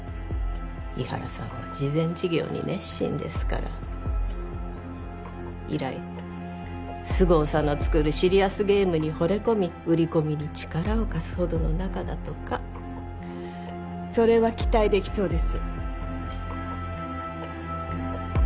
伊原さんは慈善事業に熱心ですから以来菅生さんの作るシリアスゲームにほれ込み売り込みに力を貸すほどの仲だとかそれは期待できそうです